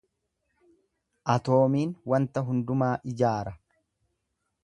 Atoomiin wanta hundumaa ijaara.